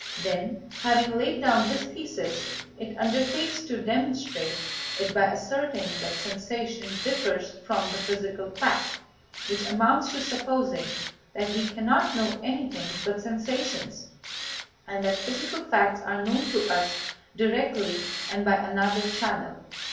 Then, having laid down this thesis, it undertakes to demonstrate it by asserting that sensation differs from the physical fact, which amounts to supposing that we cannot know anything but sensations, and that physical facts are known to us directly and by another channel.